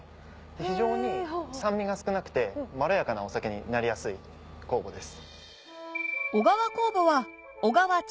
非常に酸味が少なくてまろやかなお酒になりやすい酵母です。